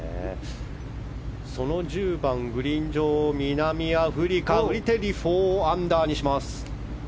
その１０番、グリーン上南アフリカ、フリテリが４アンダーにします。